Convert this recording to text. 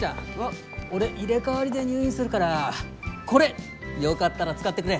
俺入れ代わりで入院するからこれよかったら使ってくれ。